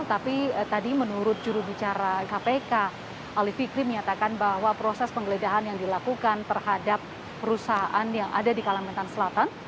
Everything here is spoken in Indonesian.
tapi tadi menurut jurubicara kpk ali fikri menyatakan bahwa proses penggeledahan yang dilakukan terhadap perusahaan yang ada di kalimantan selatan